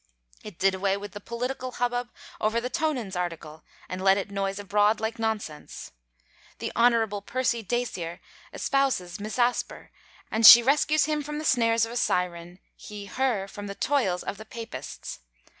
It did away with the political hubbub over the Tonans article, and let it noise abroad like nonsense. The Hon. Percy Dacier espouses Miss Asper; and she rescues him from the snares of a siren, he her from the toils of the Papists.